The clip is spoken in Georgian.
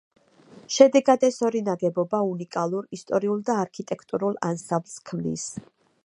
შედეგად, ეს ორი ნაგებობა უნიკალურ ისტორიულ და არქიტექტურულ ანსამბლს ქმნის.